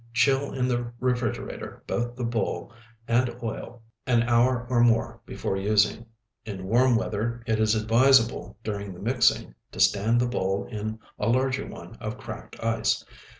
Chill in the refrigerator both the bowl and oil an hour or more before using. In warm weather it is advisable during the mixing to stand the bowl in a larger one of cracked ice.